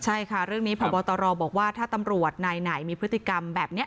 ใช่ค่ะเรื่องนี้พบตรบอกว่าถ้าตำรวจนายไหนมีพฤติกรรมแบบนี้